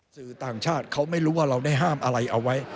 สื่อต่างชาติเขาไม่รู้ว่าเราได้ห้ามอะไรเอาไว้